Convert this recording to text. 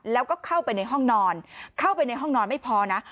แล้วก็เข้าไปในห้องนอนเข้าไปในห้องนอนไม่พอนะ